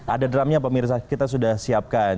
ada drumnya pemirsa kita sudah siapkan